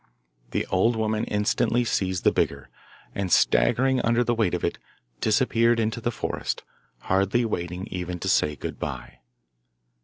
The old woman instantly seized the bigger, and staggering under the weight of it, disappeared into the forest, hardly waiting even to say good bye.